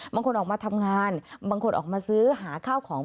บางคนออกมาทำงานบางคนออกมาซื้อหาข้าวของ